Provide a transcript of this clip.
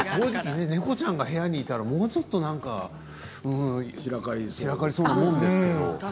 猫ちゃんが家にいたらもうちょっと散らかりそうですけれども